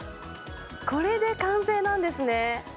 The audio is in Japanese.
これで完成なんですね。